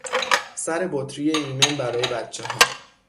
سر بطری ایمن برای بچهها